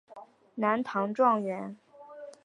南唐状元。